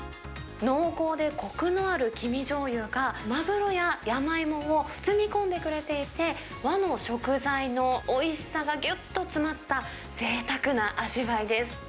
濃厚でこくのある黄身じょうゆがマグロや山芋を包み込んでくれていて、和の食材のおいしさがぎゅっと詰まったぜいたくな味わいです。